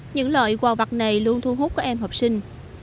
những loại quà vặt này luôn thu hút các em học sinh